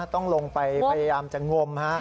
ต้องลงไปพยายามจะงม